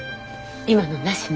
今のなしね。